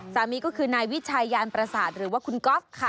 สามีก็คือนายวิชัยยานประสาทหรือว่าคุณก๊อฟค่ะ